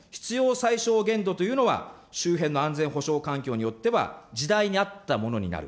最小限度というのは周辺の安全保障環境によっては時代に合ったものになる。